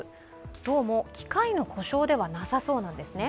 どうも機械の故障ではなさそうなんですね。